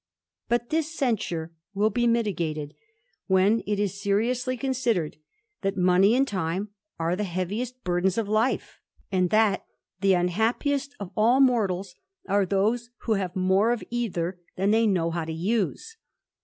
But this censure will be mitigated, when it is seriously considered, that money and time are the heaviest burdens of life, and that the unhappiest of all mortals are those wlio have more of either than they know how to use.